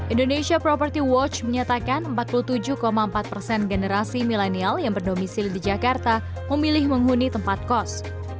indonesia property watch menyatakan empat puluh tujuh empat persen generasi milenial yang berdomisili di jakarta memilih menghuni tempat kos